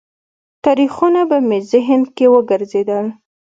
تاریخونه به مې ذهن کې وګرځېدل.